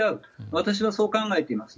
私はそう考えています。